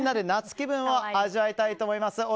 夏気分を味わいたいと思います。